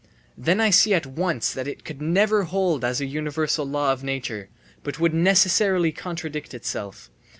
Then I see at once that it could never hold as a universal law of nature, but would necessarily contradict itself.